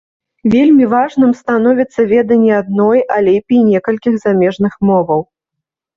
Вельмі важным становіцца веданне адной, а лепей і некалькіх замежных моваў.